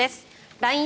ＬＩＮＥ